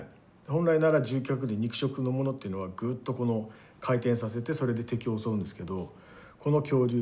本来なら獣脚類肉食のものというのはグッとこの回転させてそれで敵を襲うんですけどこの恐竜